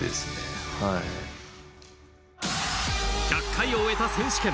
１００回を終えた選手権。